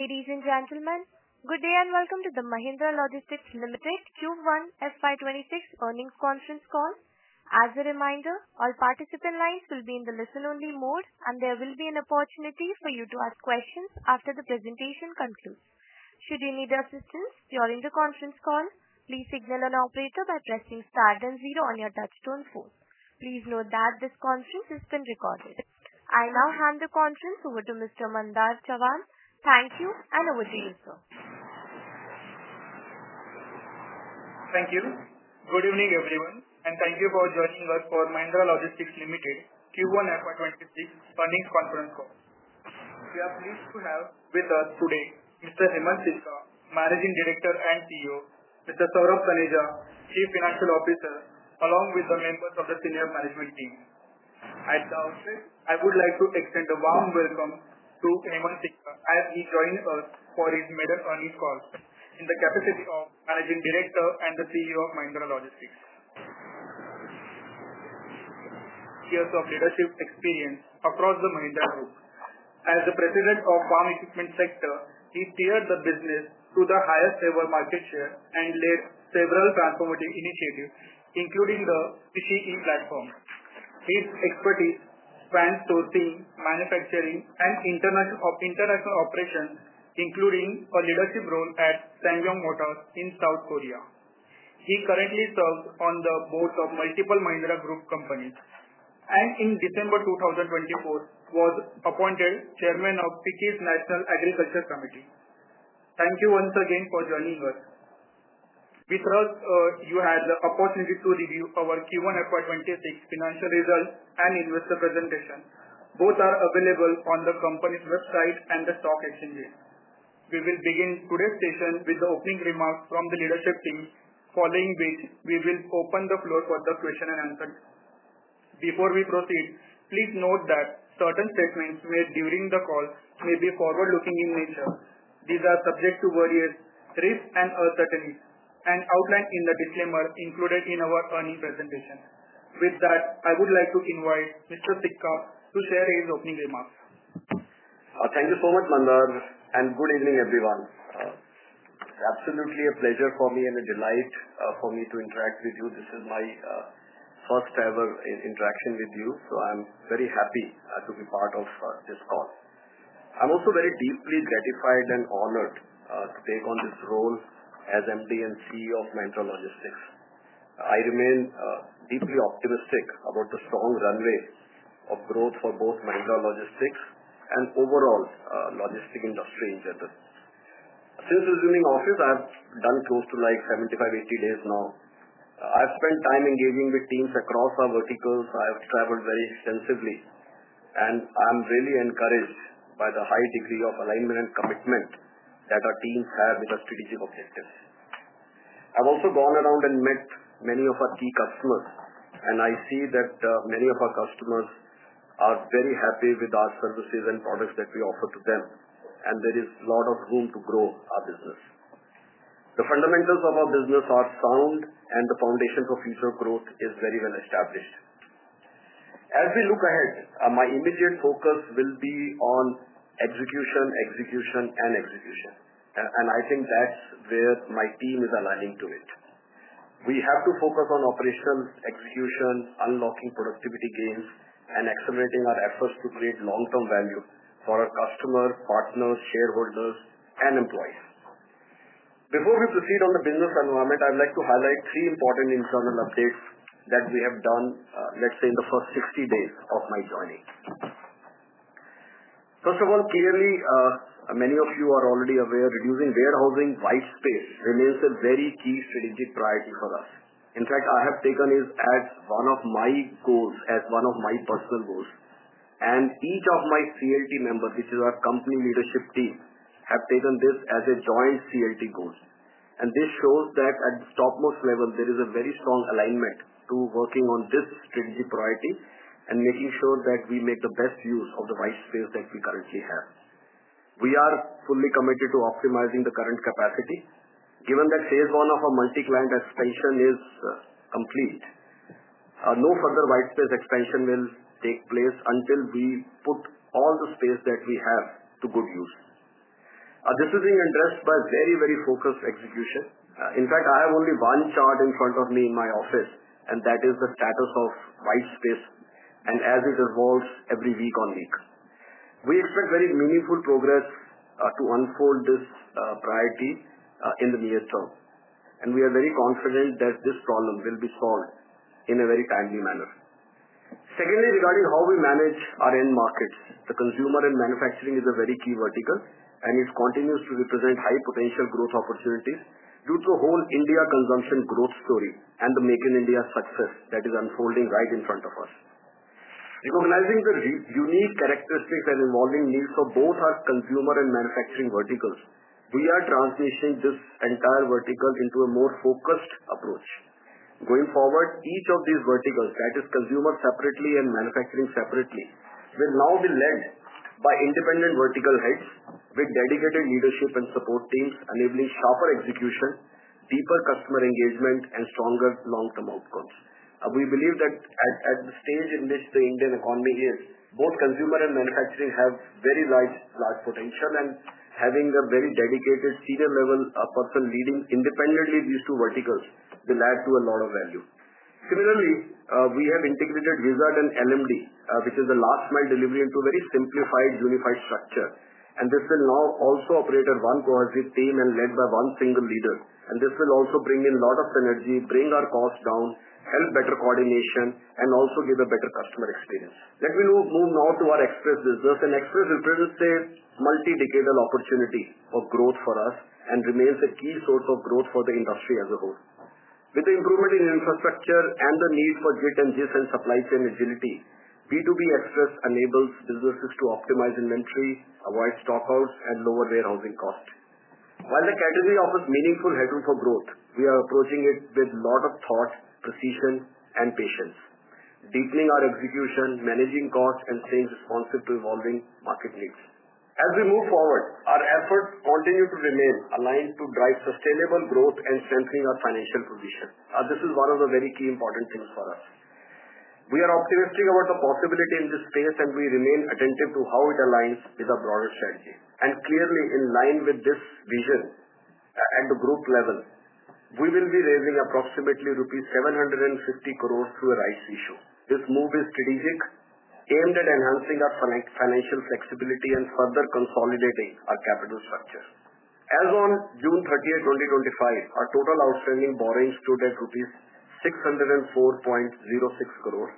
Ladies and gentlemen, good day and welcome to the Mahindra Logistics Ltd., Q1 FY 2026 earnings conference call. As a reminder, all participant lines will be in the listen-only mode, and there will be an opportunity for you to ask questions after the presentation concludes. Should you need assistance during the conference call, please signal an operator by pressing STAR then 0 on your touchtone phone. Please note that this conference has been recorded. I now hand the conference over to Mr. Mandar Chawan. Thank you, and over to you, sir. Thank you. Good evening, everyone, and thank you for joining us for Mahindra Logistics Ltd., Q1 FY 2026 earnings conference call. We are pleased to have with us today Mr. Hemant Sikka, Managing Director and CEO, Mr. Saurabh Taneja, Chief Financial Officer, along with the members of the senior management team. At the outset, I would like to extend a warm welcome to Hemant Sikka, as he joins us for his maiden earnings call in the capacity of Managing Director and the CEO of Mahindra Logistics. He has leadership experience across the Mahindra Group. As the President of the Farm Equipment Sector, he paired the business to the highest ever market share and led several transformative initiatives, including the Picking platform. His expertise spans sourcing, manufacturing, and international operations, including a leadership role at SsangYong Motors in South Korea. He currently serves on the board of multiple Mahindra Group companies and in December 2024, was appointed Chairman of FICCI's National Agriculture Committee. Thank you once again for joining us. With us, you had the opportunity to review our Q1 FY 2026 financial results and investor presentation. Both are available on the company's website and the stock exchange. We will begin today's session with the opening remarks from the leadership team, following which we will open the floor for the question and answer. Before we proceed, please note that certain statements made during the call may be forward-looking in nature. These are subject to various risks and uncertainties and outlined in the disclaimer included in our earnings presentation. With that, I would like to invite Mr. Sikka to share his opening remarks. Thank you so much, Mandar, and good evening, everyone. Absolutely a pleasure for me and a delight for me to interact with you. This is my first ever interaction with you, so I'm very happy to be part of this call. I'm also very deeply gratified and honored to take on this role as MD and CEO of Mahindra Logistics. I remain deeply optimistic about the strong runway of growth for both Mahindra Logistics Ltd. and the overall logistics industry in general. Since resuming office, I've done close to 75, 80 days now. I've spent time engaging with teams across our verticals. I've traveled very extensively, and I'm really encouraged by the high degree of alignment and commitment that our teams have with our strategic objectives. I've also gone around and met many of our key customers, and I see that many of our customers are very happy with our services and products that we offer to them, and there is a lot of room to grow our business. The fundamentals of our business are sound, and the foundation for future growth is very well established. As we look ahead, my immediate focus will be on execution, execution, and execution, and I think that's where my team is aligning to it. We have to focus on operations, execution, unlocking productivity gains, and accelerating our efforts to create long-term value for our customers, partners, shareholders, and employees. Before we proceed on the business environment, I'd like to highlight three important internal updates that we have done, let's say, in the first 60 days of my joining. First of all, clearly, many of you are already aware that using warehousing white space remains a very key strategic priority for us. In fact, I have taken this as one of my goals, as one of my personal goals, and each of my CLT members, which is our Company Leadership Team, have taken this as a joint CLT goal. This shows that at the topmost level, there is a very strong alignment to working on this strategic priority and making sure that we make the best use of the white space that we currently have. We are fully committed to optimizing the current capacity, given that phase I of our multi-client expansion is complete. No further white space expansion will take place until we put all the space that we have to good use. This is being addressed by very, very focused execution. In fact, I have only one chart in front of me in my office, and that is the status of white space and as it evolves every week on week. We expect very meaningful progress to unfold this priority in the near term, and we are very confident that this problem will be solved in a very timely manner. Secondly, regarding how we manage our end markets, the consumer and manufacturing is a very key vertical, and it continues to represent high potential growth opportunities due to the whole India consumption growth story and the Make in India success that is unfolding right in front of us. Recognizing the unique characteristics and evolving needs of both our consumer and manufacturing verticals, we are transitioning this entire vertical into a more focused approach. Going forward, each of these verticals, that is consumer separately and manufacturing separately, will now be led by independent vertical heads with dedicated leadership and support teams, enabling sharper execution, deeper customer engagement, and stronger long-term outcomes. We believe that at the stage in which the Indian economy is, both consumer and manufacturing have very large potential, and having a very dedicated, senior-level person leading independently these two verticals will add to a lot of value. Similarly, we have integrated Whizzard and LMD, which is the last mile delivery, into a very simplified, unified structure, and this will now also operate as one cohesive team and led by one single leader. This will also bring in a lot of synergy, bring our costs down, help better coordination, and also give a better customer experience. We will move now to our express business, and express represents a multi-decadal opportunity for growth for us and remains a key source of growth for the industry as a whole. With the improvement in infrastructure and the need for JITJIS and supply chain agility, B2B express enables businesses to optimize inventory, avoid stockholders, and lower warehousing costs. While the category offers meaningful headroom for growth, we are approaching it with a lot of thought, precision, and patience, deepening our execution, managing costs, and staying responsive to evolving market needs. As we move forward, our efforts continue to remain aligned to drive sustainable growth and strengthening our financial position. This is one of the very key important things for us. We are optimistic about the possibility in this space, and we remain attentive to how it aligns with our broader strategy. Clearly, in line with this vision and the group level, we will be raising approximately INR rupees 750 crore through a rights issue. This move is strategic, aimed at enhancing our financial flexibility and further consolidating our capital structure. As on June 30, 2025, our total outstanding borrowings stood at rupees 604.06 crore.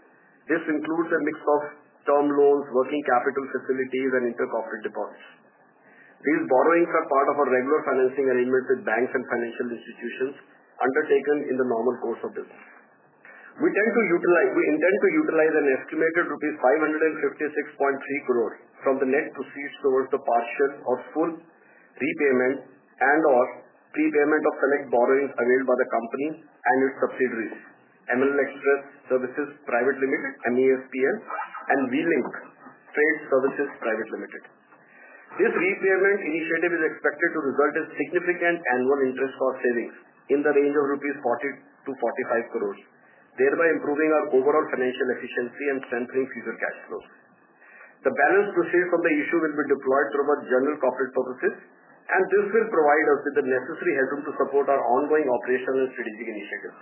This includes a mix of term loans, working capital facilities, and intercompany deposits. These borrowings are part of our regular financing arrangements with banks and financial institutions undertaken in the normal course of business. We intend to utilize an estimated rupees 556.3 crore from the net proceeds towards the partial or full repayment and/or prepayment of select borrowings availed by the company and its subsidiaries, Mahindra Logistics Electric Services Private Limited (MESPL) and V-Link Freight Services Private Limited. This repayment initiative is expected to result in significant annual interest cost savings in the range of 40 crore-45 crore rupees, thereby improving our overall financial efficiency and strengthening future cash flow. The balance proceeds from the issue will be deployed towards general corporate purposes, and this will provide us with the necessary headroom to support our ongoing operational and strategic initiatives.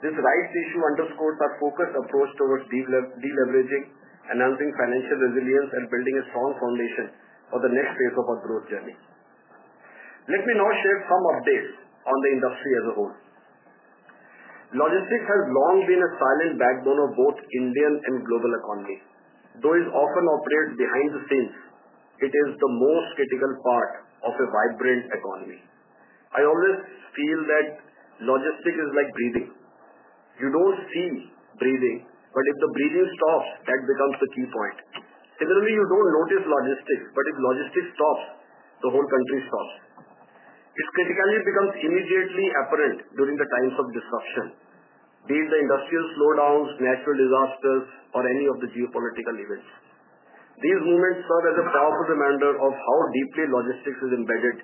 This rights issue underscores our focused approach towards deleveraging, enhancing financial resilience, and building a strong foundation for the next phase of our growth journey. Let me now share some updates on the industry as a whole. Logistics has long been a silent backbone of both Indian and global economies. Though it often operates behind the scenes, it is the most critical part of a vibrant economy. I always feel that logistics is like breathing. You don't see breathing, but if the breathing stops, that becomes the key point. Generally, you don't notice logistics, but if logistics stop, the whole country stops. It's critical it becomes immediately apparent during the times of disruption, be it the industrial slowdowns, natural disasters, or any of the geopolitical events. These moments serve as a powerful reminder of how deeply logistics is embedded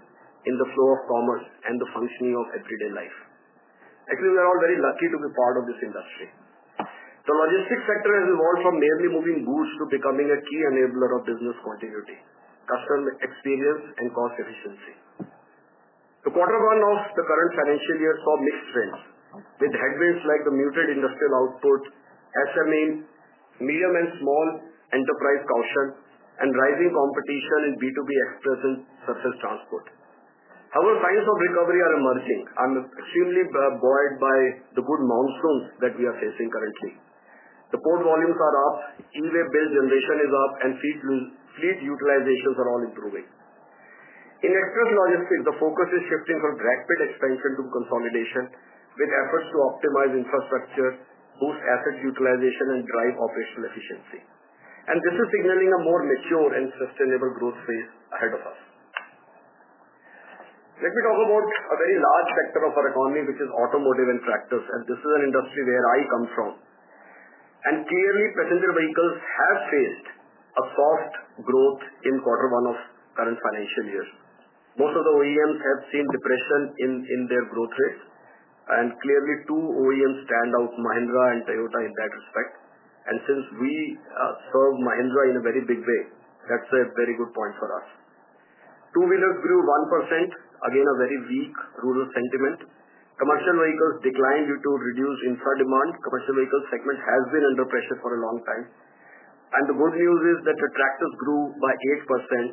in the flow of commerce and the functioning of everyday life. Actually, we are all very lucky to be part of this industry. The logistics sector has evolved from merely moving books to becoming a key enabler of business continuity, customer experience, and cost efficiency. The quarter one of the current financial year saw mixed trends, with headwinds like the muted industrial output, SME, medium, and small enterprise caution, and rising competition in B2B express and surface transport. Our plans of recovery are emerging. I'm extremely buoyed by the good monsoons that we are facing currently. The port volumes are up, e-way bill generation is up, and fleet utilizations are all improving. In express logistics, the focus is shifting from rapid expansion to consolidation with efforts to optimize infrastructure, boost asset utilization, and drive operational efficiency. This is signaling a more mature and sustainable growth phase ahead of us. Let me talk about a very large sector of our economy, which is automotive and tractors, and this is an industry where I come from. Clearly, passenger vehicles have faced a soft growth in quarter one of the current financial year. Most of the OEMs have seen depression in their growth rates, and clearly, 2 OEMs stand out, Mahindra and Toyota, in that respect. Since we serve Mahindra in a very big way, that's a very good point for us. Two-wheeler grew 1%, again, a very weak rural sentiment. Commercial vehicles declined due to reduced infra demand. Commercial vehicle segment has been under pressure for a long time. The good news is that the tractors grew by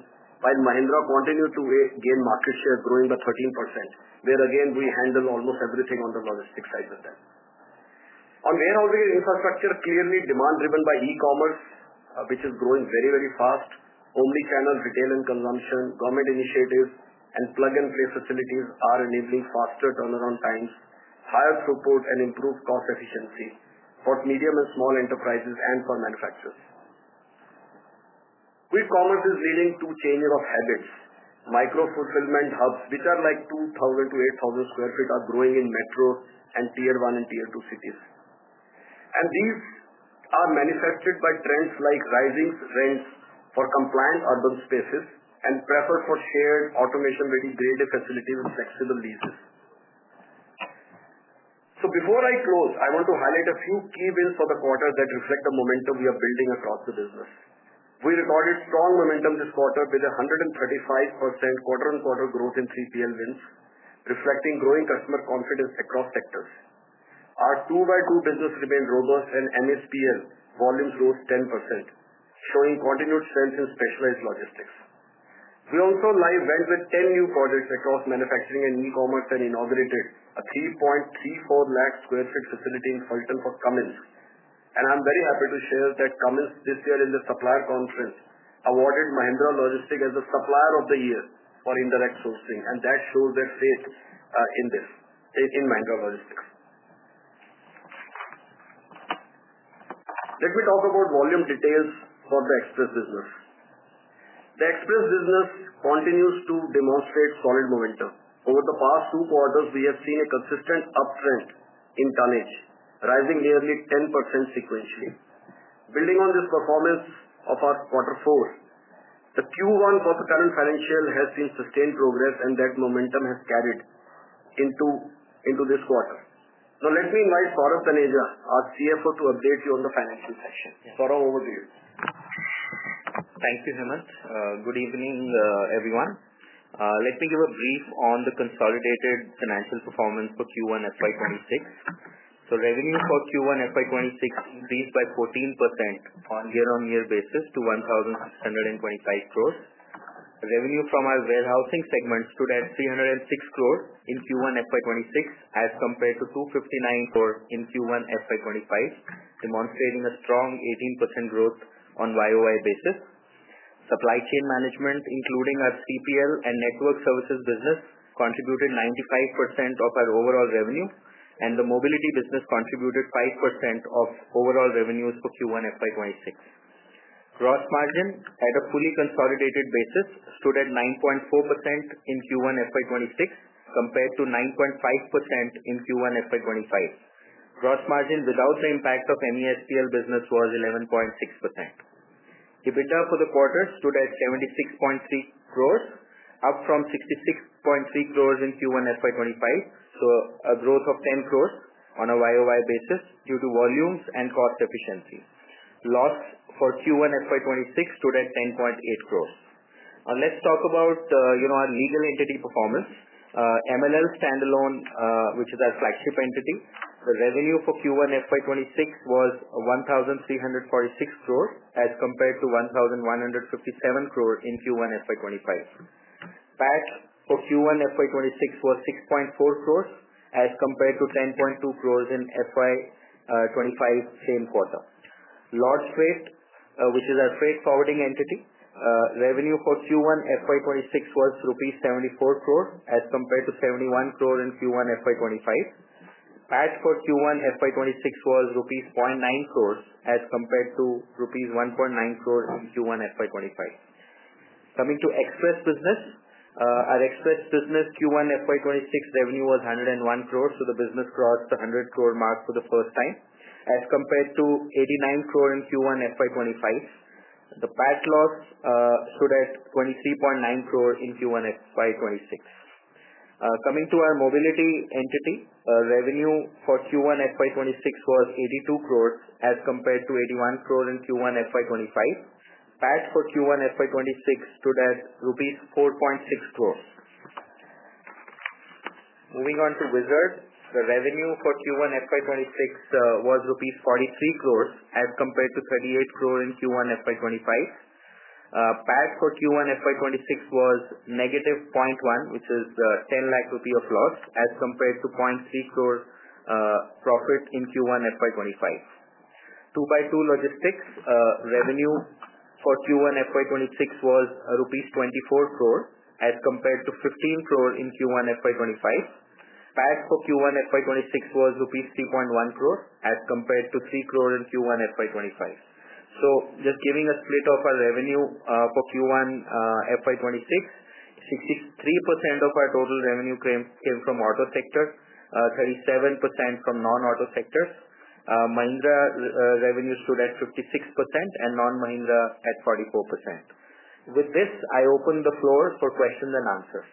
8%, while Mahindra continued to gain market share, growing by 13%, where again we handle almost everything on the logistics side of things. On warehousing infrastructure, clearly demand driven by e-commerce, which is growing very, very fast. Omnichannel retail and consumption, government initiatives, and plug-and-play facilities are enabling faster turnaround times, higher throughput, and improved cost efficiency for medium and small enterprises and for manufacturers. We call this leading to changes of habits. Micro fulfillment hubs, which are like 2,000-8,000 square feet, are growing in metro and tier one and tier two cities. These are manifested by trends like rising trends for compliant urban spaces and preference for shared automation-based facilities with flexible leases. Before I close, I want to highlight a few key wins for the quarter that reflect the momentum we are building across the business. We recorded strong momentum this quarter with 135% quarter-on-quarter growth in 3PL wins, reflecting growing customer confidence across sectors. Our 2x2 business remained robust, and MESPL volumes rose 10%, showing continued strength in specialized logistics. We also went live with 10 new projects across manufacturing and e-commerce and inaugurated a 3.34 lakh square foot facility in Phaltan for Cummins. I'm very happy to share that Cummins this year in the supplier conference awarded Mahindra Logistics as the supplier of the year for indirect sourcing, and that shows their faith in Mahindra. Let me talk about volume details for the express business. The express business continues to demonstrate solid momentum. Over the past two quarters, we have seen a consistent upswing in tonnage, rising nearly 10% sequentially. Building on this performance of our quarter four, the Q1 for the current financial has seen sustained progress, and that momentum has carried into this quarter. Now, let me invite Saurabh Taneja, our CFO, to update you on the financial section for our overview. Thank you, Hemant. Good evening, everyone. Let me give a brief on the consolidated financial performance for Q1 FY 2026. Revenue for Q1 FY 2026 increased by 14% on a year-on-year basis to 1,625 crore. Revenue from our warehousing segment stood at 306 crore in Q1 FY 2026 as compared to 259 crore in Q1 FY 2025, demonstrating a strong 18% growth on YoY basis. Supply chain management, including our 3PL and network services business, contributed 95% of our overall revenue, and the mobility business contributed 5% of overall revenues for Q1 FY 2026. Gross margin at a fully consolidated basis stood at 9.4% in Q1 FY 2026 compared to 9.5% in Q1 FY 2025. Gross margin without the impact of any STL business was 11.6%. EBITDA for the quarter stood at 76.3 crore, up from 66.3 crore in Q1 FY 2025, a growth of 10 crore on a YoY basis due to volumes and cost efficiency. Loss for Q1 FY 2026 stood at 10.8 crore. Let's talk about our leader entity performance. MLL Standalone, which is our flagship entity, the revenue for Q1 FY 2026 was 1,346 crore as compared to 1,157 crore in Q1 FY 2025. PAT for Q1 FY 2026 was 6.4 crore as compared to 10.2 crore in FY 2025, same quarter. Lords Freight, which is our freight forwarding entity, revenue for Q1 FY 2026 was rupees 74 crore as compared to 71 crore in Q1 FY 2025. PAT for Q1 FY 2026 was rupees 0.9 crore as compared to rupees 1.9 crore in Q1 FY 2025. Coming to express business, our express business Q1 FY 2026 revenue was 101 crore, so the business crossed the 100 crore mark for the first time as compared to 89 crore in Q1 FY 2025. The PAT loss stood at 23.9 crore in Q1 FY 2026. Coming to our mobility entity, revenue for Q1 FY 2026 was 82 crore as compared to 81 crore in Q1 FY 2025. PAT for Q1 FY 2026 stood at rupees 4.6 crore. Moving on to Whizzard, the revenue for Q1 FY 2026 was rupees 43 crore as compared to 38 crore in Q1 FY 2025. PAT for Q1 FY 2026 was -0.1 crore, which is a 10 lakh rupee loss as compared to 0.3 crore profit in Q1 FY 2025. 2x2 Logistics, revenue for Q1 FY 2026 was rupees 24 crore as compared to 15 crore in Q1 FY 2025. PAT for Q1 FY 2026 was rupees 3.1 crore as compared to 3 crore in Q1 FY 2025. Just giving a split of our revenue for Q1 FY 2026, 63% of our total revenue came from auto sector, 37% from non-auto sectors. Mahindra revenue stood at 56% and non-Mahindra at 44%. With this, I open the floor for questions and answers.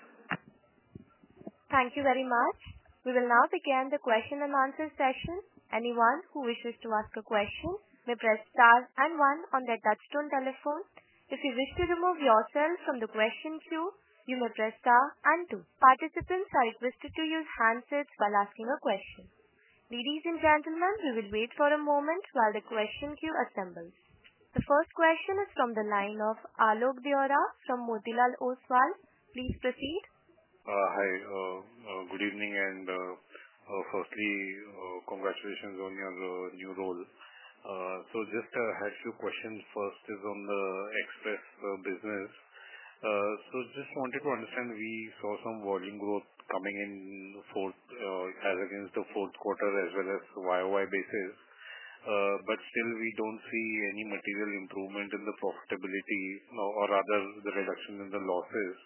Thank you very much. We will now begin the question and answer session. Anyone who wishes to ask a question may press star and one on their touchstone telephone. If you wish to remove yourself from the question queue, you may press star and two. Participants are requested to use handsets while asking a question. Ladies and gentlemen, we will wait for a moment while the question queue assembles. The first question is from the line of Alok Deora from Motilal Oswal. Please proceed. Hi. Good evening, and firstly, congratulations on your new role. I had a few questions. First is on the express business. I wanted to understand, we saw some volume growth coming in the fourth as against the fourth quarter as well as YoY basis. We don't see any material improvement in the profitability or rather the reduction in the losses.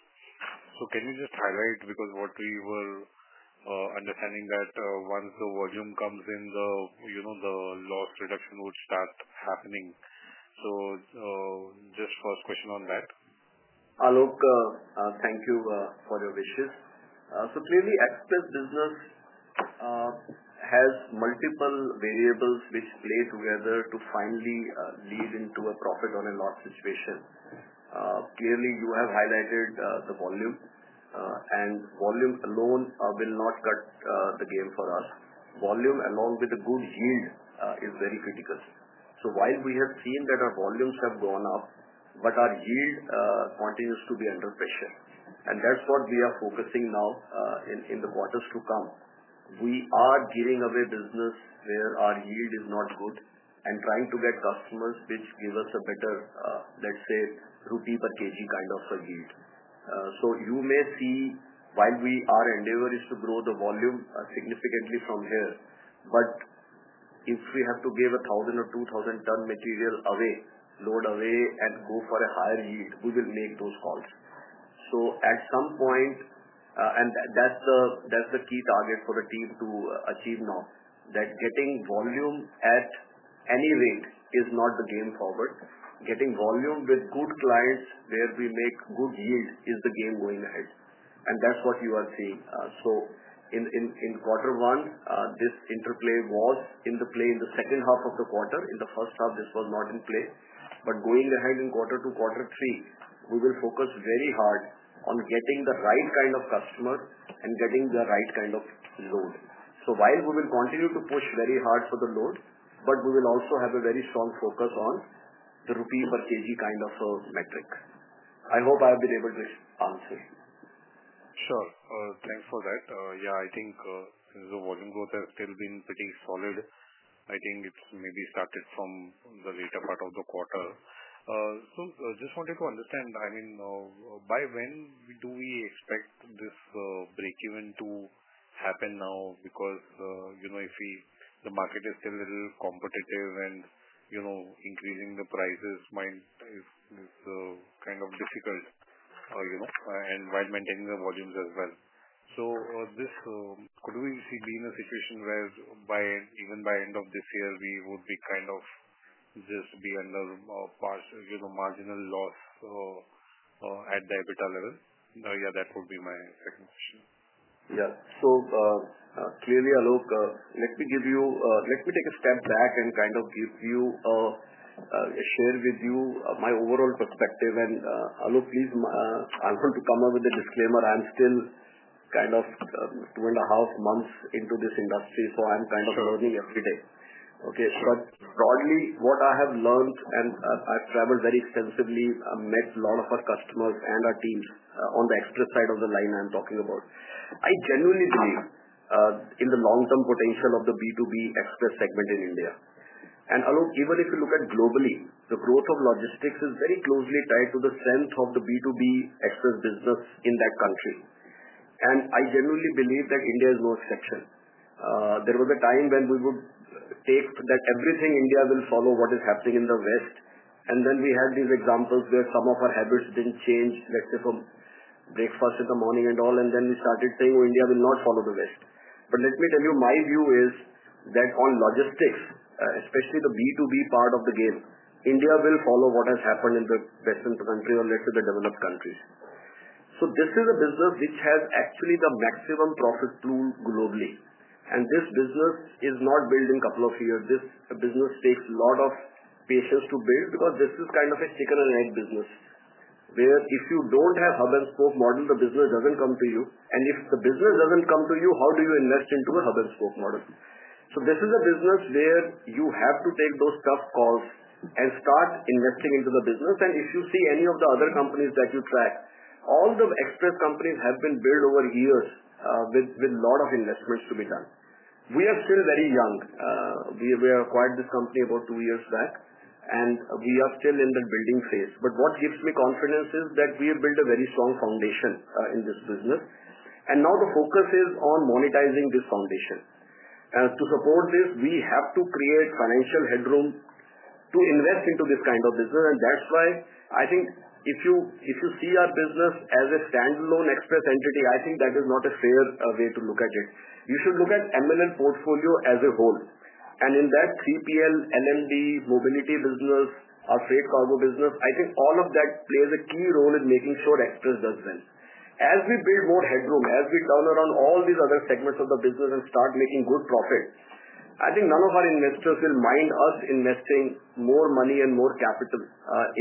Can you highlight because what we were understanding is that once the volume comes in, the loss reduction will start happening. First question on that. Alok, thank you for your wishes. Clearly, express business has multiple variables which play together to finally lead into a profit or a loss situation. You have highlighted the volume, and volume alone will not cut the game for us. Volume along with the good yield is very critical. While we have seen that our volumes have gone up, our yield continues to be under pressure, and that's what we are focusing on now in the quarters to come. We are giving away business where our yield is not good and trying to get customers which give us a better, let's say, rupee per kg kind of a yield. You may see while we are endeavoring to grow the volume significantly from here, if we have to give 1,000 or 2,000 ton material away, load away, and go for a higher yield, we will make those calls. At some point, and that's the key target for the team to achieve now, getting volume at any rate is not the game forward. Getting volume with good clients where we make good yield is the game going ahead. That's what you are seeing. In quarter one, this interplay was in play in the second half of the quarter. In the first half, this was not in play. Going ahead in quarter two, quarter three, we will focus very hard on getting the right kind of customer and getting the right kind of load. While we will continue to push very hard for the load, we will also have a very strong focus on the rupee per kg kind of a metric. I hope I have been able to answer. Sure. Thanks for that. I think since the volume growth has still been pretty solid, I think it maybe started from the later part of the quarter. I just wanted to understand, by when do we expect this break even to happen now? Because you know if the market is still a little competitive and increasing the prices is kind of difficult, you know, while maintaining the volumes as well. Could we see a situation where even by the end of this year, we would be just under a marginal loss at the EBITDA level? That would be my second question. Yeah. Clearly, Alok, let me take a step back and share with you my overall perspective. Alok, please, I'm going to come up with a disclaimer. I'm still kind of two and a half months into this industry, so I'm kind of learning every day. Okay. Broadly, what I have learned, and I've traveled very extensively, I've met a lot of our customers and our teams on the express side of the line I'm talking about. I genuinely believe in the long-term potential of the B2B express segment in India. Alok, even if you look at globally, the growth of logistics is very closely tied to the sense of the B2B express business in that country. I genuinely believe that India is no exception. There was a time when we would take that everything India will follow what is happening in the West, and then we had these examples where some of our habits didn't change, let's say, from breakfast in the morning and all, and then we started saying, "Oh, India will not follow the West." Let me tell you, my view is that on logistics, especially the B2B part of the game, India will follow what has happened in the Western countries and, let's say, the developed countries. This is a business which has actually the maximum profit pool globally. This business is not built in a couple of years. This business takes a lot of patience to build because this is kind of a chicken and egg business where if you don't have hub and spoke model, the business doesn't come to you. If the business doesn't come to you, how do you invest into a hub and spoke model? This is a business where you have to take those tough calls and start investing into the business. If you see any of the other companies that you track, all the express companies have been built over years with a lot of investments to be done. We are still very young. We acquired this company about two years back, and we are still in the building phase. What gives me confidence is that we have built a very strong foundation in this business. Now the focus is on monetizing this foundation. To support this, we have to create financial headroom to invest into this kind of business. That's why I think if you see our business as a standalone express entity, I think that is not a fair way to look at it. You should look at MLL portfolio as a whole. In that 3PL, LMD, mobility business, our freight cargo business, I think all of that plays a key role in making sure express does well. As we build more headroom, as we turn around all these other segments of the business and start making good profit, I think none of our investors will mind us investing more money and more capital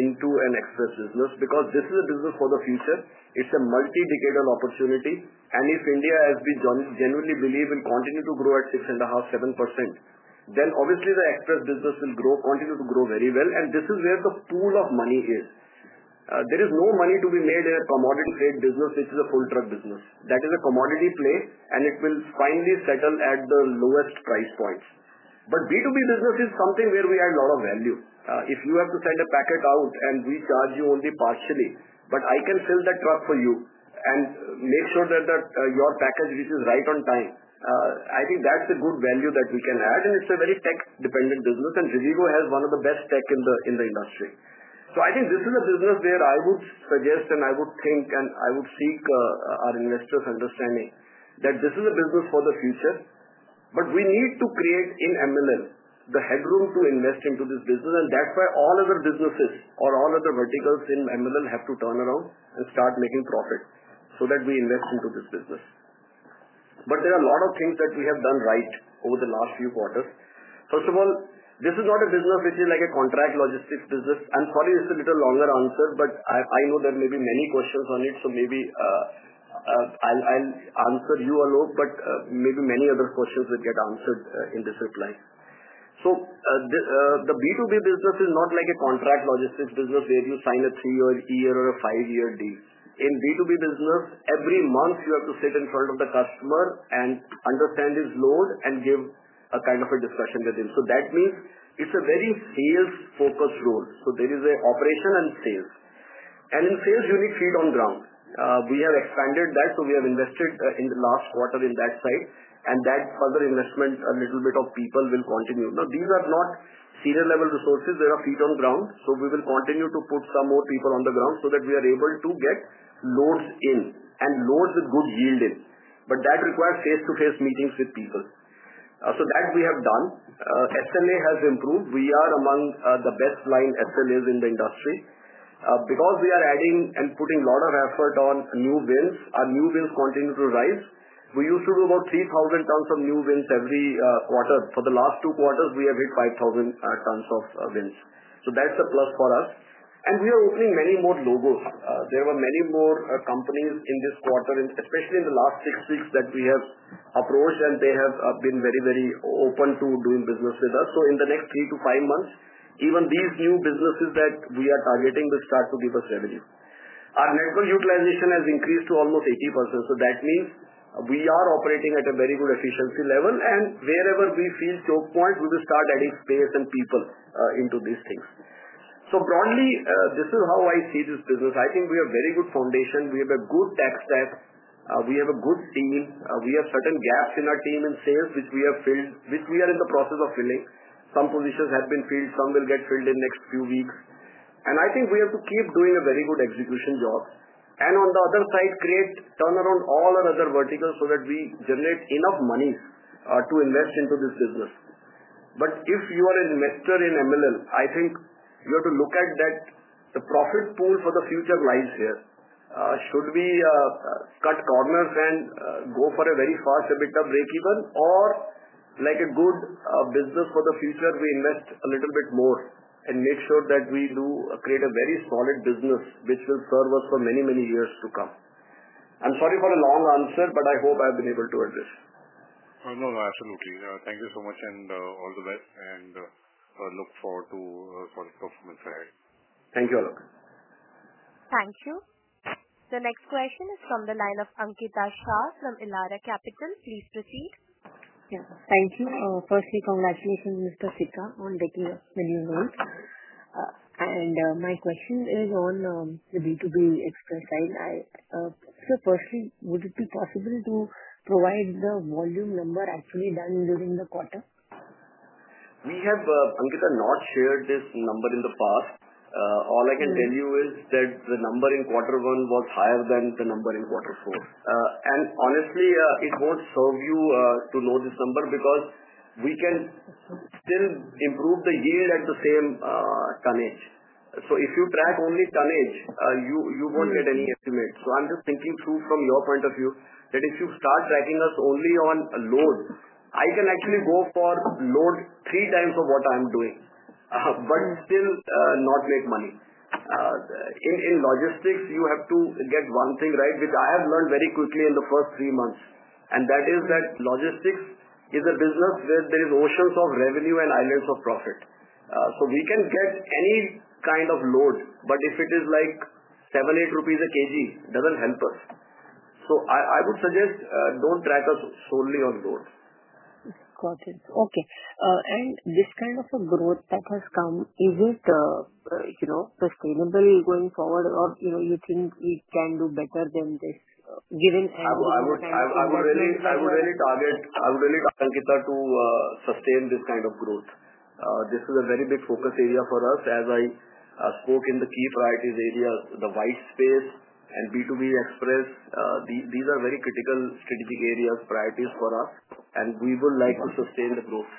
into an express business because this is a business for the future. It's a multi-decadal opportunity. If India, as we genuinely believe, will continue to grow at 6.5%, 7%, then obviously the express business will grow, continue to grow very well. This is where the pool of money is. There is no money to be made in a commodity trade business. This is a coal truck business. That is a commodity play, and it will finally settle at the lowest price point. B2B business is something where we add a lot of value. If you have to send a packet out and we charge you only partially, but I can sell that truck for you and make sure that your package reaches right on time, I think that's a good value that we can add. It's a very tech-dependent business, and Rivigo has one of the best tech in the industry. I think this is a business where I would suggest and I would think and I would seek our investors' understanding that this is a business for the future, but we need to create in MLL the headroom to invest into this business. That's why all other businesses or all other verticals in MLL. have to turn around and start making profit so that we invest into this business. There are a lot of things that we have done right over the last few quarters. First of all, this is not a business which is like a contract logistics business. I'm sorry, it's a little longer answer, but I know there may be many questions on it. Maybe I'll answer you, Alok, but maybe many other questions will get answered in this reply. The B2B business is not like a contract logistics business where you sign a three-year deal or a five-year deal. In B2B business, every month you have to sit in front of the customer and understand his load and give a kind of a discussion with him. That means it's a very sales-focused role. There is an operation and sales. In sales, you need feet on ground. We have expanded that. We have invested in the last quarter in that side. That further investment, a little bit of people will continue. These are not senior-level resources. They are feet on ground. We will continue to put some more people on the ground so that we are able to get loads in and loads with good yield in. That requires face-to-face meetings with people. That we have done. SLA has improved. We are among the best line SLAs in the industry. Because we are adding and putting a lot of effort on new wins, our new wins continue to rise. We used to do about 3,000 tons of new wins every quarter. For the last two quarters, we have hit 5,000 tons of wins. That's a plus for us. We are opening many more logos. There are many more companies in this quarter, and especially in the last six weeks that we have approached, and they have been very, very open to doing business with us. In the next three to five months, even these new businesses that we are targeting will start to give us revenue. Our network utilization has increased to almost 80%. That means we are operating at a very good efficiency level. Wherever we see choke points, we will start adding space and people into these things. Broadly, this is how I see this business. I think we have a very good foundation. We have a good tech stack. We have a good team. We have certain gaps in our team and sales which we have filled, which we are in the process of filling. Some positions have been filled. Some will get filled in the next few weeks. I think we have to keep doing a very good execution job. On the other side, create turnaround all our other verticals so that we generate enough money to invest into this business. If you are an investor in MLL, I think you have to look at that the profit pool for the future lies here. Should we cut corners and go for a very fast EBITDA breakeven or like a good business for the future, we invest a little bit more and make sure that we do create a very solid business which will serve us for many, many years to come? I'm sorry for the long answer, but I hope I've been able to assist. Thank you so much and all the best. I look forward to the performance for you. Thank you, Alok. Thank you. The next question is from the line of Ankita Shah from Elara Capital. Please proceed. Yes, thank you. Firstly, congratulations, Mr. Sikka, on taking the new roles. My question is on the B2B express side. Would it be possible to provide the volume number actually done during the quarter? We have, Ankita, not shared this number in the past. All I can tell you is that the number in quarter one was higher than the number in quarter four. Honestly, it won't serve you to know this number because we can still improve the yield at the same tonnage. If you track only tonnage, you won't get any estimate. I'm just thinking through from your point of view that if you start tracking us only on load, I can actually go for load three times of what I'm doing, but still not make money. In logistics, you have to get one thing right, which I have learned very quickly in the first three months. That is that logistics is a business where there are notions of revenue and islands of profit. We can get any kind of load, but if it is like 7 rupees or 8 rupees a kg, it doesn't help us. I would suggest don't track us solely on loads. Got it. Okay. Is this kind of a growth that has come sustainable going forward, or you know, you think we can do better than this given? I would really like to sustain this kind of growth. This is a very big focus area for us. As I spoke in the key priorities areas, the warehousing white space and B2B express, these are very critical strategic areas, priorities for us, and we would like to sustain the growth.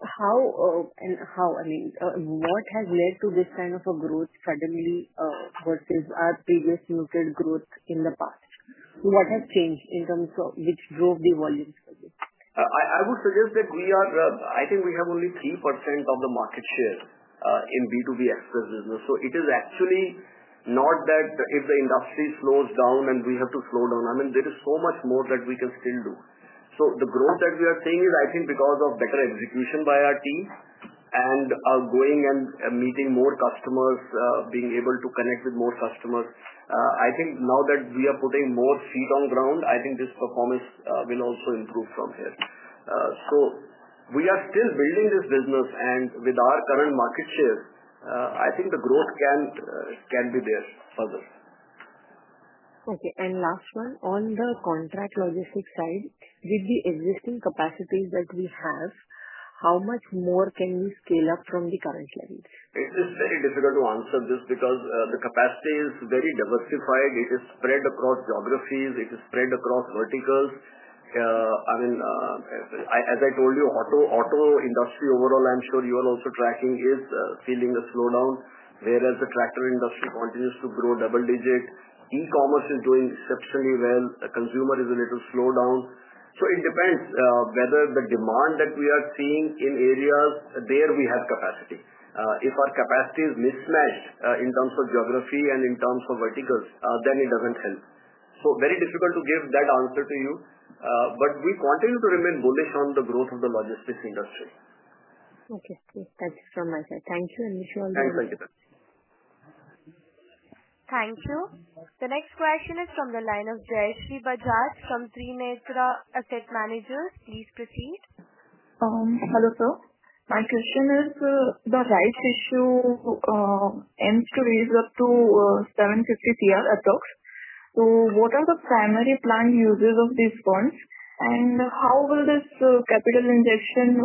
What has led to this kind of a growth suddenly versus our previous noted growth in the past? What has changed in terms of which drove the volume? I would suggest that we are, I think we have only 3% of the market share in the B2B express segment. It is actually not that if the industry slows down we have to slow down. There is so much more that we can still do. The growth that we are seeing is, I think, because of better execution by our teams and going and meeting more customers, being able to connect with more customers. I think now that we are putting more feet on ground, this performance will also improve from here. We are still building this business, and with our current market share, I think the growth can be there for this. Okay. Last one, on the contract logistics side, with the existing capacities that we have, how much more can we scale up from the current levels? It's just very difficult to answer because the capacity is very diversified. It is spread across geographies. It is spread across verticals. I mean, as I told you, auto industry overall, I'm sure you are also tracking, is feeling a slowdown, whereas the tractor industry continues to grow double digit. E-commerce is doing exceptionally well. Consumer is a little slowed down. It depends whether the demand that we are seeing in areas there we have capacity. If our capacity is mismatched in terms of geography and in terms of verticals, it doesn't help. It is very difficult to give that answer to you, but we continue to remain bullish on the growth of the logistics industry. Okay, that's from my side. Thank you. If you all want to. Thank you. The next question is from the line of Jayshree Bajaj from Trinetra Asset Managers. Please proceed. Hello, sir. My question is the rights issue intends to raise up to 750 crore at the top. What are the primary planned uses of these funds? How will this capital injection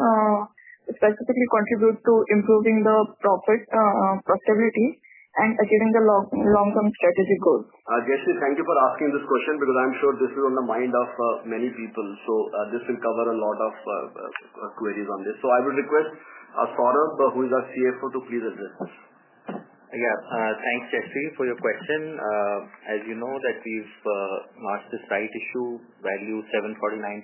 specifically contribute to improving the profitability and achieving the long-term strategic goals? Jayasri, thank you for asking this question because I'm sure this is on the mind of many people. This will cover a lot of queries on this. I would request Saurabh, who is our CFO, to please answer the question. Yeah. Thanks, Jayshree for your question. As you know, that we've launched the rights issue valued at 749.27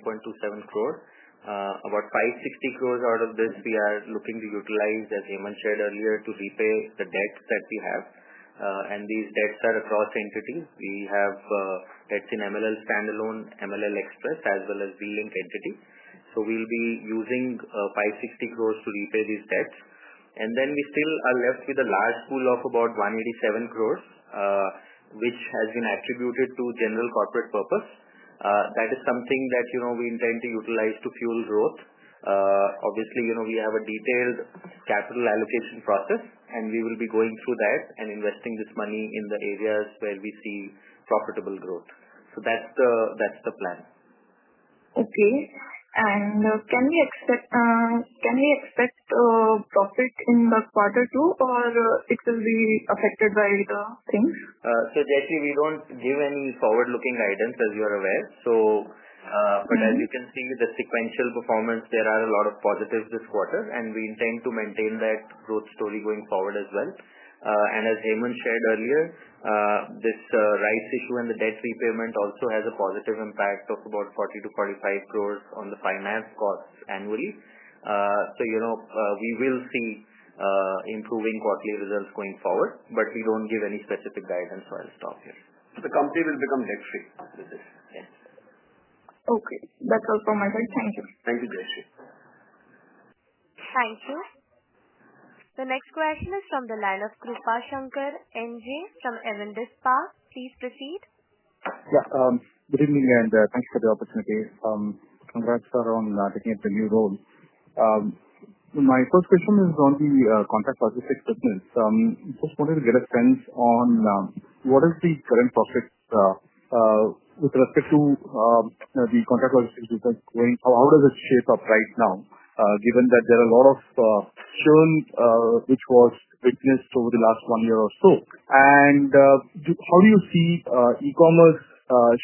crore. About 560 crore out of this, we are looking to utilize, as Hemant shared earlier, to repay the debts that we have. These debts are across entities. We have debts in MLL Standalone, MLL Express, as well as V-Link entity. We'll be using 560 crore to repay these debts. We still are left with a large pool of about 187 crore, which has been attributed to general corporate purpose. That is something that we intend to utilize to fuel growth. Obviously, we have a detailed capital allocation process, and we will be going through that and investing this money in the areas where we see profitable growth. That's the plan. Can we expect a profit in the quarter two, or it will be affected by the things? Jayasri, we don't give any forward-looking guidance, as you are aware. As you can see, the sequential performance, there are a lot of positives this quarter, and we intend to maintain that growth story going forward as well. As Hemant shared earlier, this rights issue and the debt repayment also has a positive impact of about 40 crores-45 crore on the finance costs annually. You know we will see improving quarterly results going forward, but we don't give any specific guidance for our staff here. The company will become debt-free. Okay. That's all from my side. Thank you. Thank you, Jayshree Thank you. The next question is from the line of Krupashankar NJ from Avendus Spark. Please proceed. Yeah. Good evening, and thanks for the opportunity. I'm very excited on taking up the new role. My first question is on the Contract Logistics business. I just wanted to get a sense on what is the current profit with respect to the Contract Logistics business going? How does it shape up right now, given that there are a lot of churn which was witnessed over the last one year or so? How do you see e-commerce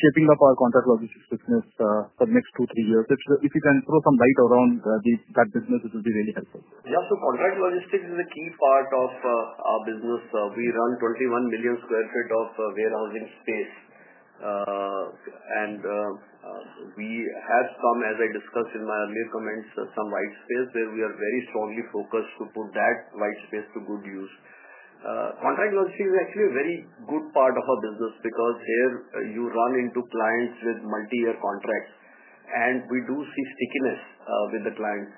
shaping up our Contract Logistics business for the next two to three years? If you can throw some light around that business, it would be really helpful. Yeah. Contract Logistics is a key part of our business. We run 21 million square feet of warehousing space, and as I discussed in my earlier comments, some white space where we are very strongly focused to put that white space to good use. Contract Logistics is actually a very good part of our business because here you run into clients with multi-year contracts, and we do see stickiness with the clients.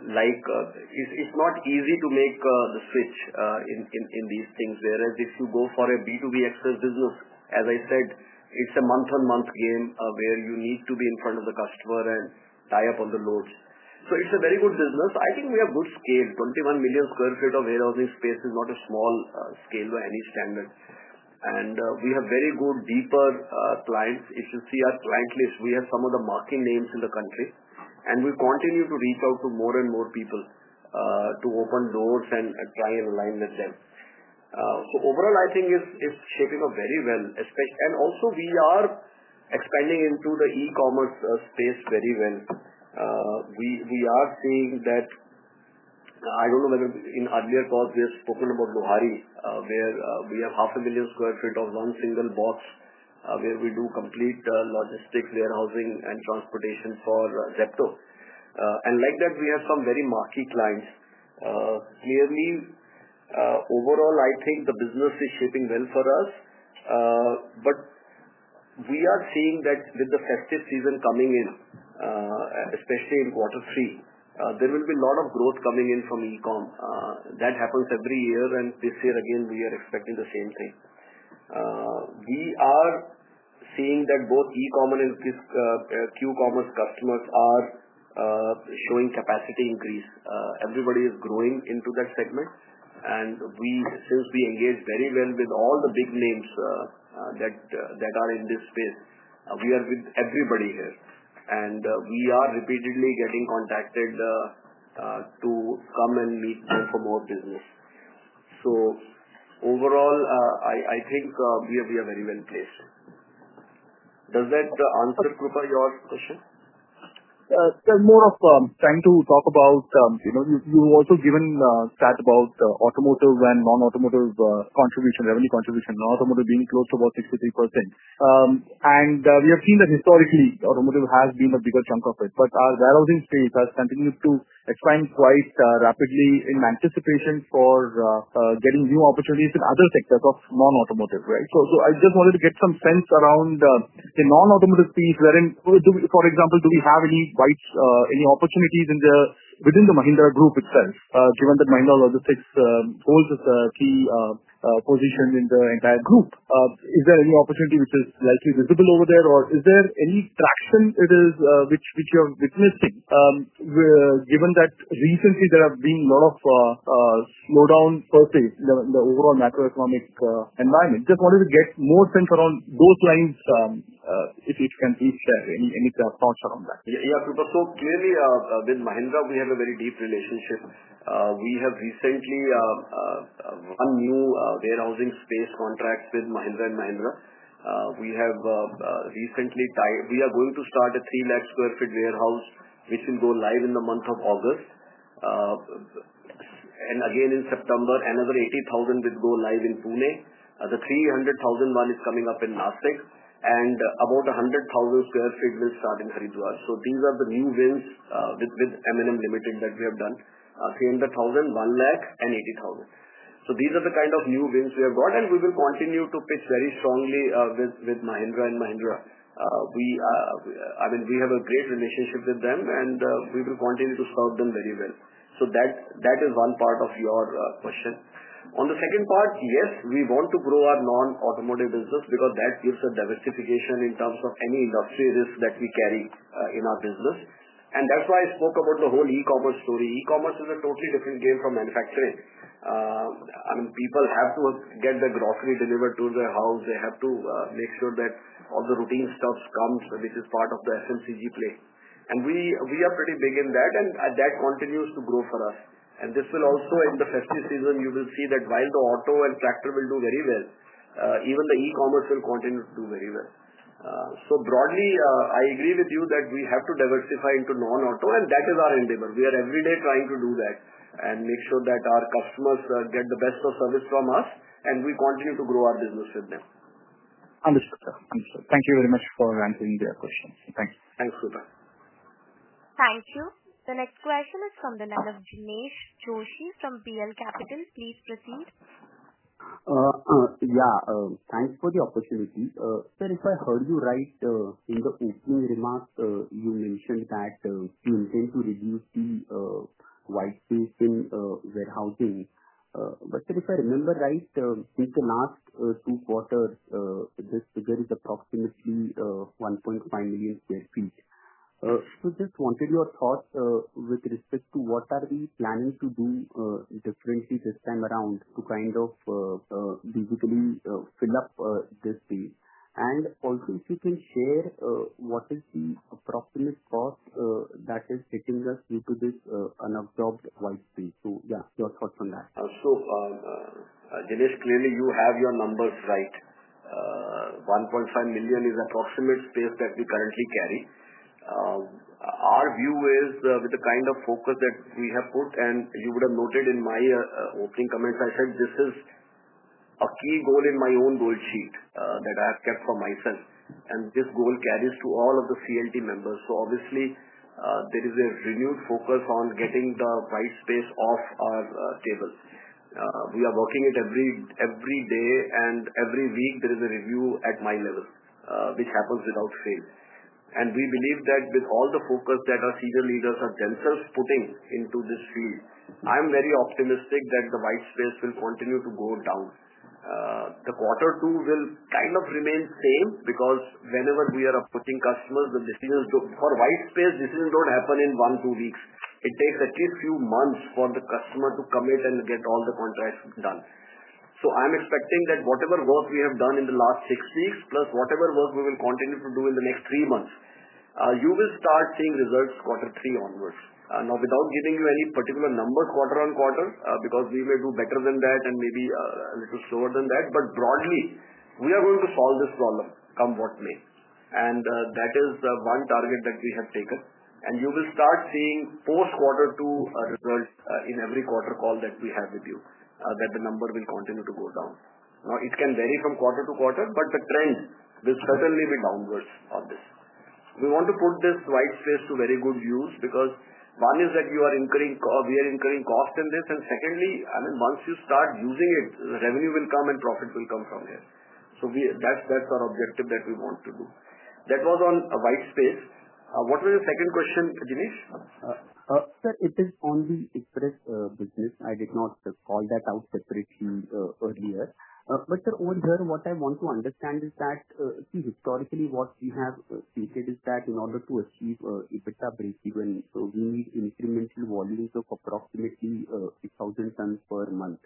It's not easy to make the switch in these things, whereas if you go for a B2B Express business, as I said, it's a month-on-month game where you need to be in front of the customer and tie up on the load. It's a very good business. I think we have good scale. 21 million square feet of warehousing space is not a small scale by any standard, and we have very good deeper clients. If you see our client list, we have some of the marquee names in the country, and we continue to reach out to more and more people to open doors and try and align the gents. Overall, I think it's shaping up very well. We are expanding into the e-commerce space very well. We are seeing that I don't know whether in earlier calls we have spoken about Phaltan, where we have half a million square feet of one single box where we do complete logistics, warehousing, and transportation for Zepto. Like that, we have some very marquee clients. Clearly, overall, I think the business is shooting well for us. We are seeing that with the festive season coming in, especially in quarter three, there will be a lot of growth coming in from e-com. That happens every year, and this year, again, we are expecting the same thing. We are seeing that both e-com and Q-commerce customers are showing capacity increase. Everybody is growing into that segment. Since we engage very well with all the big names that are in this space, we are with everybody here, and we are repeatedly getting contacted to come and meet there for more business. Overall, I think we are very well placed. Does that answer Krupa, your question? It's more of trying to talk about, you know, you've also given chat about automotive and non-automotive contribution, revenue contribution, non-automotive being close to about 63%. We have seen that historically, automotive has been a bigger chunk of it. Our warehousing space has continued to expand quite rapidly in anticipation for getting new opportunities in other sectors of non-automotive, right? I just wanted to get some sense around the non-automotive space. For example, do we have any white space, any opportunities in there within the Mahindra group itself? Given that Mahindra Logistics holds the key position in the entire group, is there any opportunity with this? Is it a little bit over there, or is there any traction which you are witnessing? Given that recently there have been a lot of slowdowns, per se, in the overall macroeconomic environment, just wanted to get more sense around those lines, if you can teach any thoughts around that. Yeah, Krupa, so clearly, with Mahindra, we have a very deep relationship. We have recently won new warehousing space contracts with Mahindra & Mahindra. We have recently tied. We are going to start a 300,000 square feet warehouse, which will go live in the month of August. In September, another 80,000 will go live in Pune. The 300,000 one is coming up in Nashik. About 100,000 square feet will start in Haridwar. These are the new wins with M&M Limited that we have done: 300,000, 100,000, and 80,000. These are the kind of new wins we have got, and we will continue to pitch very strongly with Mahindra & Mahindra. I mean, we have a great relationship with them, and we will continue to serve them very well. That is one part of your question. On the second part, yes, we want to grow our non-automotive business because that gives a diversification in terms of any industry risks that we carry in our business. That's why I spoke about the whole e-commerce story. E-commerce is a totally different game from manufacturing. People have to get their grocery delivered to their house. They have to make sure that all the routine stuff comes, which is part of the FMCG play. We are pretty big in that, and that continues to grow for us. This will also, in the festive season, you will see that while the auto and tractor will do very well, even the e-commerce will continue to do very well. Broadly, I agree with you that we have to diversify into non-auto, and that is our endeavor. We are every day trying to do that and make sure that our customers get the best of service from us, and we continue to grow our business with them. Understood. Thank you very much for answering their questions. Thanks. Thanks, Krupa. Thank you. The next question is from the line of Jinesh Joshi from PL Capital. Please proceed. Yeah. Thanks for the opportunity. Sir, if I heard you right, in the opening remarks, you mentioned that you intend to reduce the white space in warehousing. If I remember right, in the last two quarters, this figure is approximately 1.5 million square feet. I just wanted your thoughts with respect to what are we planning to do differently this time around to kind of digitally fill up this space? Also, if you can share what is the approximate cost that is hitting us due to this unabsorbed white space? Yeah, your thoughts on that. Sure. Jinesh, clearly, you have your numbers right. 1.5 million is the approximate space that we currently carry. Our view is with the kind of focus that we have put, and you would have noted in my opening comments, I said this is a key goal in my own goal sheet that I have kept for myself. This goal carries to all of the CLT members. Obviously, there is a renewed focus on getting the white space off our tables. We are working it every day and every week. There is a review at my level, which happens without fail. We believe that with all the focus that our senior leaders have themselves putting into this field, I'm very optimistic that the white space will continue to go down. The quarter two will kind of remain the same because whenever we are upputting customers, the decisions for white space decisions don't happen in one, two weeks. It takes at least a few months for the customer to commit and get all the contracts done. I'm expecting that whatever work we have done in the last six weeks, plus whatever work we will continue to do in the next three months, you will start seeing results quarter three onwards. Now, without giving you any particular number quarter on quarter, because we may do better than that and maybe a little slower than that, but broadly, we are going to solve this problem come what may. That is one target that we have taken. You will start seeing post-quarter two results in every quarter call that we have with you, that the number will continue to go down. It can vary from quarter to quarter, but the trend will certainly be downwards on this. We want to put this white space to very good use because one is that you are incurring cost in this. Once you start using it, the revenue will come and profit will come from here. That's our objective that we want to do. That was on white space. What was your second question, Jinesh? Sir, it is only express business. I did not call that out separately earlier. What I want to understand is that, historically, what you have stated is that in order to achieve EBITDA breakeven, we need incremental volumes of approximately 6,000 tons per month.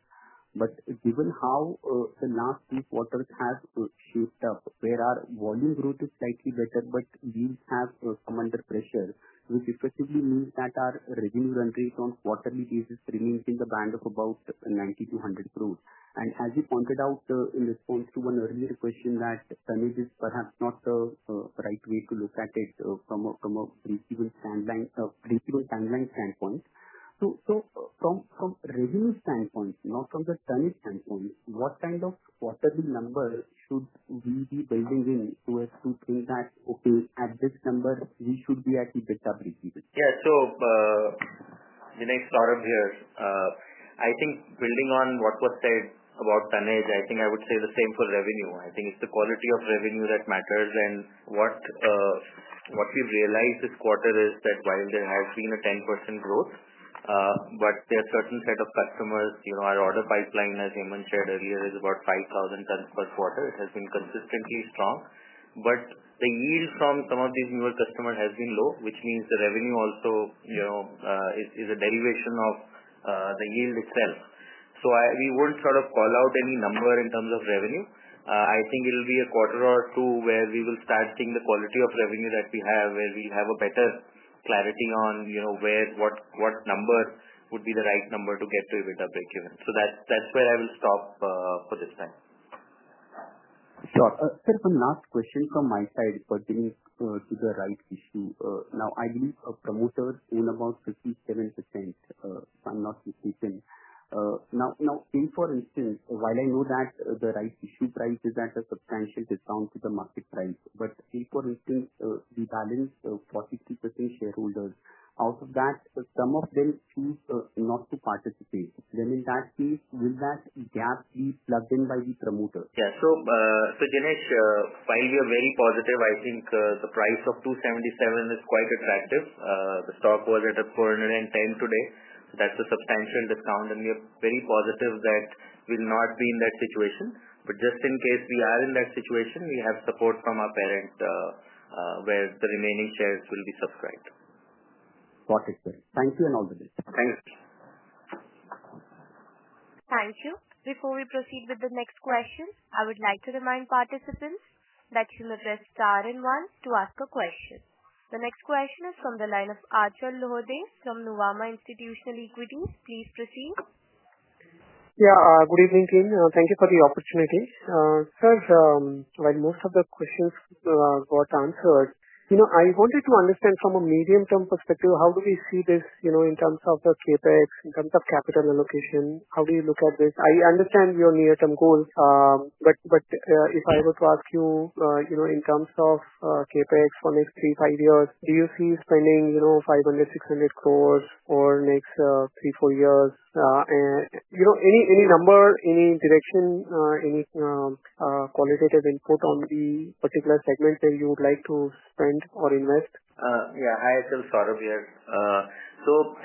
Given how the last three quarters have shaped up, where our volume growth is slightly better, but deals have come under pressure, which effectively means that our revenue run rate on a quarterly basis remains in the band of about 90 crore-100 crore. As you pointed out in response to an earlier question, tonnage is perhaps not the right way to look at it from a breakeven timeline standpoint. From a revenue standpoint, not from the tonnage standpoint, what kind of quarterly number should we be building in to think that, okay, at this number, we should be at EBITDA breakeven? Yeah. Saurabh here. I think building on what was said about tonnage, I would say the same for revenue. I think it's the quality of revenue that matters. What we realized this quarter is that while there has been a 10% growth, there are certainly a set of customers. You know, our order pipeline, as Hemant shared earlier, is about 5,000 tons per quarter. It has been consistently strong. The yield from some of these newer customers has been low, which means the revenue also is a derivation of the yield itself. We wouldn't sort of call out any number in terms of revenue. I think it'll be a quarter or two where we will start seeing the quality of revenue that we have, where we have a better clarity on what number would be the right number to get to EBITDA breakeven. That's where I will stop for this time. Sure. Sir, one last question from my side pertaining to the rights issue. Now, I believe a promoter in about 57%. I'm not mistaken. Now, for instance, while I know that the rights issue price is at a substantial discount to the market price, but say, for instance, we balance a 43% shareholders. Out of that, some of them choose not to participate. In that case, will that gap be plugged in by the promoter? Yeah, Jinesh, while we are very positive, I think the price of 277 is quite attractive. The stock was at 410 today. That's a substantial discount, and we are very positive that we'll not be in that situation. Just in case we are in that situation, we have support from our parent where the remaining shares will be subscribed. Got it, sir. Thank you in all the respect. Thanks. Thank you. Before we proceed with the next question, I would like to remind participants that you may press star and one to ask a question. The next question is from the line of Achal Lohade from Nuvama Institutional Equities. Please proceed. Good evening, team. Thank you for the opportunity. Sir, while most of the questions got answered, I wanted to understand from a medium-term perspective, how do we see this in terms of CapEx, in terms of capital allocation? How do you look at this? I understand your near-term goals. If I were to ask you, in terms of CapEx for the next three to five years, do you see spending 500 crores-600 crore for the next three to four years? Any number, any direction, any qualitative input on the particular segment that you would like to spend or invest? Yeah. Hi, I'm Saurabh here.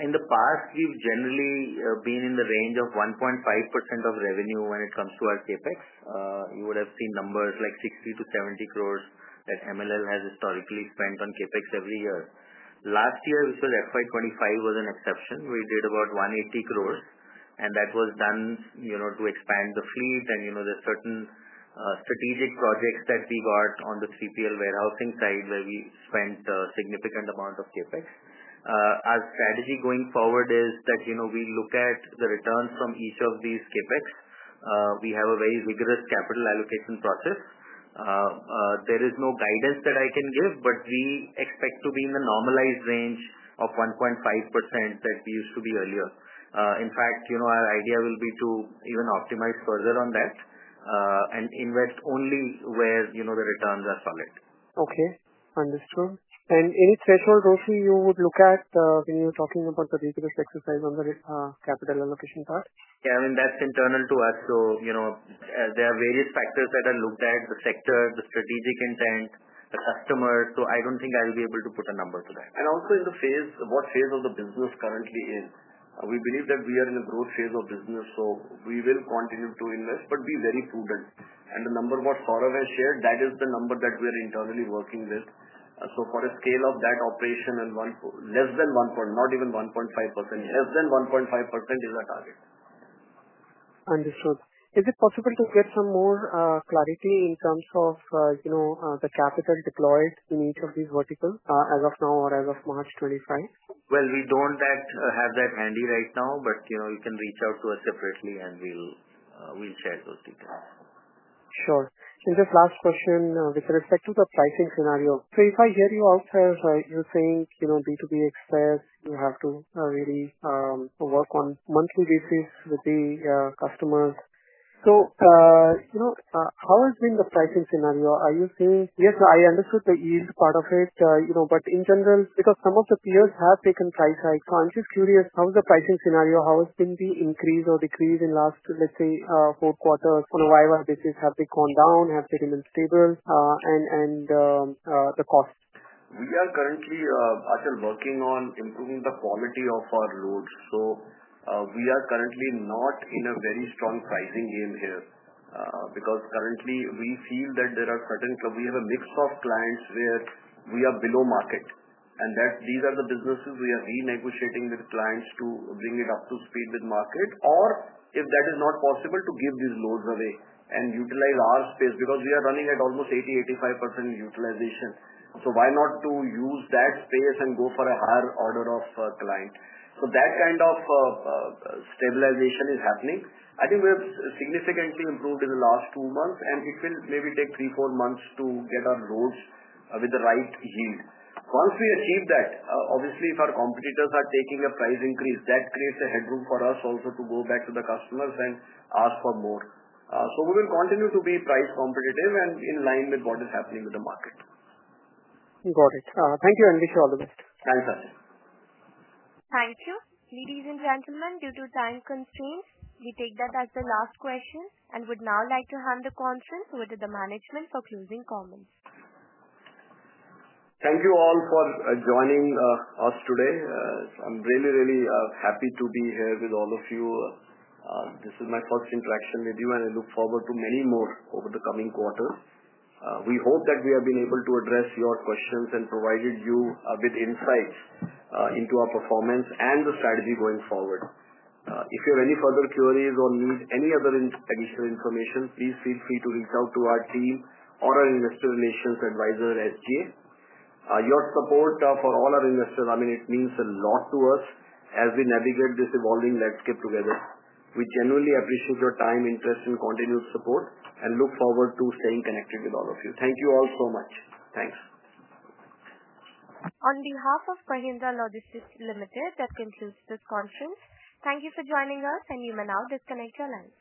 In the past, we've generally been in the range of 1.5% of revenue when it comes to our CapEx. You would have seen numbers like 60 crore-70 crore that MLL has historically spent on CapEx every year. Last year, we said FY 2025 was an exception. We did about 180 crore, and that was done to expand the fleet. There are certain strategic projects that we bought on the 3PL warehousing side where we spent a significant amount of CapEx. Our strategy going forward is that we look at the return from each of these CapEx. We have a very rigorous capital allocation process. There is no guidance that I can give, but we expect to be in the normalized range of 1.5% that we used to be earlier. In fact, our idea will be to even optimize further on that and invest only where the returns are solid. Okay. Understood. Any threshold, Saurabh, you would look at when you're talking about the data exercise on the capital allocation part? Yeah, that's internal to us. There are various factors that are looked at: the sector, the strategic intent, the customer. I don't think I'll be able to put a number to that. Also, in the phase, what phase of the business currently is, we believe that we are in a growth phase of business. We will continue to invest, but be very prudent. The number what Saurabh has shared, that is the number that we are internally working with. For a scale of that operation and one less than 1%, not even 1.5%, less than 1.5% is our target. Understood. Is it possible to get some more clarity in terms of, you know, the capital deployed in each of these verticals as of now or as of March 2025? We don't have that handy right now, but you know, you can reach out to us separately, and we'll share those details. Sure. Just last question with respect to the pricing scenario. Sir, if I hear you out there, you're saying, you know, B2B express, you have to really work on a monthly basis with the customers. How has been the pricing scenario? Are you saying, yes, I understood the yield part of it, but in general, because some of the peers have taken size hikes, I'm just curious, how is the pricing scenario? How has been the increase or decrease in the last, let's say, four quarters on a whatever basis? Have they gone down? Have they remained stable? And the cost? We are currently working on improving the quality of our loads. We are currently not in a very strong pricing game here because we feel that there are certain, we have a mix of clients where we are below market. These are the businesses we are renegotiating with clients to bring it up to speed with market. If that is not possible, to give these loads away and utilize our space because we are running at almost 80%, 85% utilization. Why not use that space and go for a higher order of client? That kind of stabilization is happening. I think we have significantly improved in the last two months, and it will maybe take three, four months to get our loads with the right yield. Once we achieve that, obviously, if our competitors are taking a price increase, that creates a headroom for us also to go back to the customers and ask for more. We will continue to be price competitive and in line with what is happening with the market. Got it. Thank you, and wish you all the best. Thanks, Alok. Thank you. Ladies and gentlemen, due to time constraints, we take that as the last question and would now like to hand the conference over to the management for closing comments. Thank you all for joining us today. I'm really, really happy to be here with all of you. This is my first interaction with you, and I look forward to many more over the coming quarter. We hope that we have been able to address your questions and provided you with insights into our performance and the strategy going forward. If you have any further queries or need any other additional information, please feel free to reach out to our team or our investor relations advisor, SGA. Your support for all our investors means a lot to us as we navigate this evolving landscape together. We genuinely appreciate your time, interest, and continued support and look forward to staying connected with all of you. Thank you all so much. Thanks. On behalf of Mahindra Logistics Ltd, that concludes this conference. Thank you for joining us, and you may now disconnect your line.